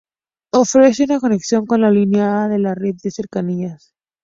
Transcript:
Ofrece una conexión con la línea A de la red de cercanías.